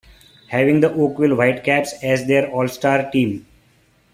Having the Oakville Whitecaps as their All-star team.